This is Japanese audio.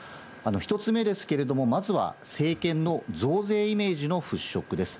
１つ目ですけれども、まずは、政権の増税イメージの払拭です。